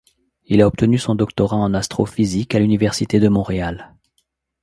Il a obtenu son doctorat en astrophysique à l'Université de Montréal.